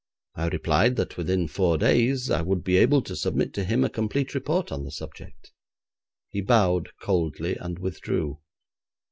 I replied that within four days I would be able to submit to him a complete report on the subject. He bowed coldly and withdrew.